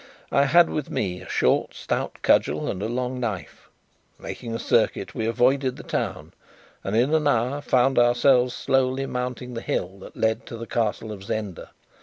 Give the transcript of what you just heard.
I had with me a short stout cudgel and a long knife. Making a circuit, we avoided the town, and in an hour found ourselves slowly mounting the hill that led to the Castle of Zenda.